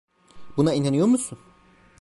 Buna inanıyor musun?